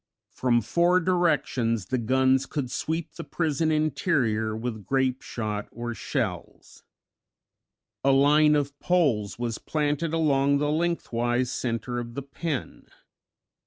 From four directions the guns could sweep the prison interior with grapeshot or shells. A line of poles was planted along the lengthwise center of the pen.